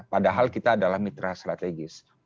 padahal kita adalah mitra strategis